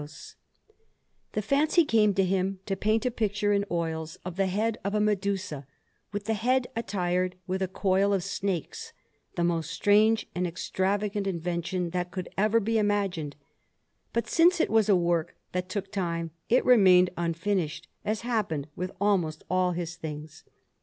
Florence: Uffizi, 1252_) Anderson] The fancy came to him to paint a picture in oils of the head of a Medusa, with the head attired with a coil of snakes, the most strange and extravagant invention that could ever be imagined; but since it was a work that took time, it remained unfinished, as happened with almost all his things.